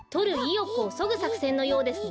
よくをそぐさくせんのようですね。